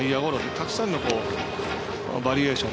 たくさんのバリエーション。